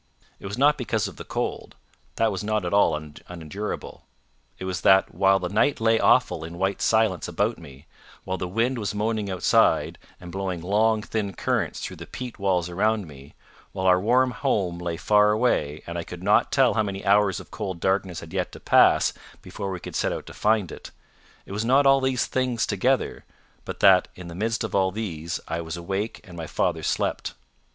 It was not because of the cold: that was not at all unendurable; it was that while the night lay awful in white silence about me, while the wind was moaning outside, and blowing long thin currents through the peat walls around me, while our warm home lay far away, and I could not tell how many hours of cold darkness had yet to pass before we could set out to find it, it was not all these things together, but that, in the midst of all these, I was awake and my father slept.